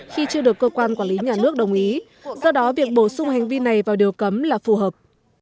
khi chưa được cơ quan quản lý nhà nước đồng ý do đó việc bổ sung hành vi này vào điều cấm là phù hợp